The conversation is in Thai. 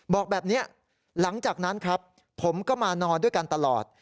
บอกแบบนี้หลังจากนั้นครับผมก็มานอนด้วยกันตลอด